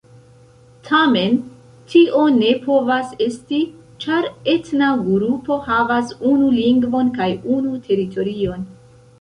Tamen tio ne povas esti, ĉar etna grupo havas unu lingvon kaj unu teritorion.